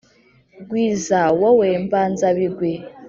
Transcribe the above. gwiza wowe mbanzabigwi,